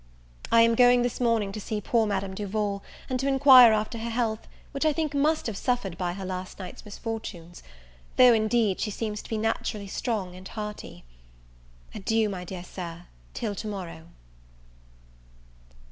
I am going this morning to see poor Madame Duval, and to inquire after her health, which I think must have suffered by her last night's misfortunes; though, indeed, she seems to be naturally strong and hearty. Adieu, my dear Sir, till to morrow.